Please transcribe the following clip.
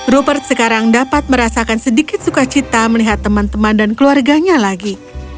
rupert sekarang dapat merasakan sedikit sukacita melihat teman teman dan keluarganya lagi